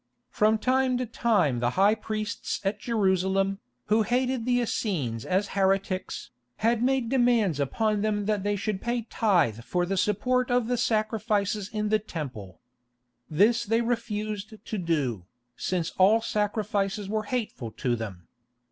From time to time the high priests at Jerusalem, who hated the Essenes as heretics, had made demands upon them that they should pay tithe for the support of the sacrifices in the Temple. This they refused to do, since all sacrifices were hateful to them.